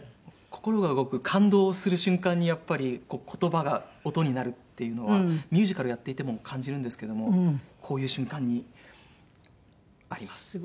心が動く感動する瞬間にやっぱりこう言葉が音になるっていうのはミュージカルやっていても感じるんですけどもこういう瞬間にあります。